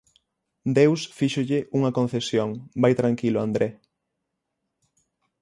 Deus fíxolle unha concesión: Vai tranquilo, André.